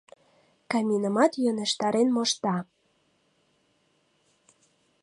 Каминымат йӧнештарен мошта.